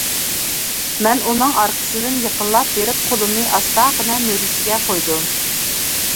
مەن ئۇنىڭ ئارقىسىدىن يېقىنلاپ بېرىپ قولۇمنى ئاستاغىنە مۈرىسىگە قويدۇم.